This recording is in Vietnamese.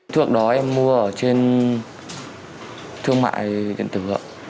trước đó em mua ở trên thương mại điện tử